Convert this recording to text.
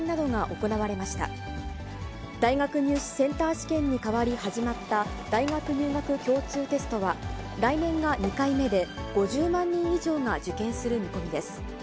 試験に代わり始まった大学入学共通テストは、来年が２回目で、５０万人以上が受験する見込みです。